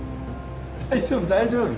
大丈夫大丈夫。